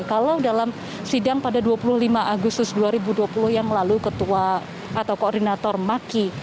kalau dalam sidang pada dua puluh lima agustus dua ribu dua puluh yang lalu ketua atau koordinator maki